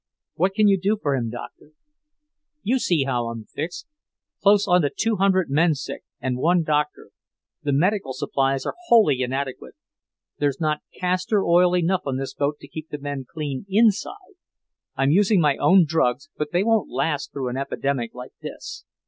"What can you do for him, Doctor?" "You see how I'm fixed; close onto two hundred men sick, and one doctor. The medical supplies are wholly inadequate. There's not castor oil enough on this boat to keep the men clean inside. I'm using my own drugs, but they won't last through an epidemic like this.